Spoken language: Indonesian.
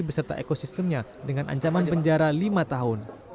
beserta ekosistemnya dengan ancaman penjara lima tahun